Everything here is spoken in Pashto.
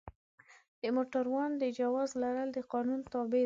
د موټروان د جواز لرل د قانون تابع ده.